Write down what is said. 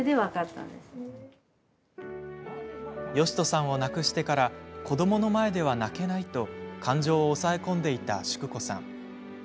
良人さんを亡くしてから子どもの前では泣けないと感情を抑え込んでいた淑子さん。